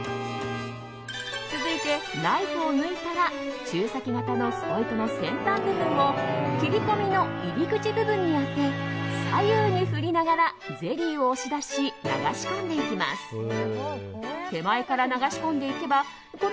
続いてナイフを抜いたら注射器形のスポイトの先端部分を切り込みの入り口部分に当て左右に振りながらゼリーを押し出し流し込んでいきます。